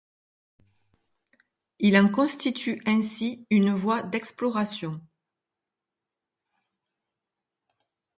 Il en constitue ainsi une voie d'exploration.